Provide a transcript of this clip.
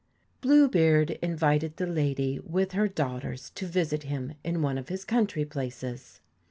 Blue beard invited the lady with her daughters to visit him in one of his country places.